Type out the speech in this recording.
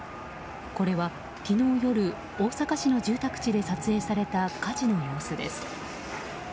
これは昨日夜大阪市の住宅地で撮影された火事の様子です。